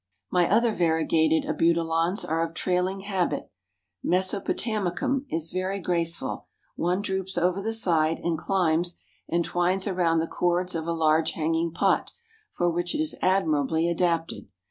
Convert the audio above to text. My other variegated Abutilons are of trailing habit; Mesopotamicum is very graceful, one droops over the side, and climbs and twines around the cords of a large hanging pot, for which it is admirably adapted.